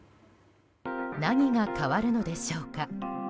何が変わるのでしょうか。